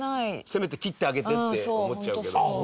せめて切ってあげてって思っちゃうけど。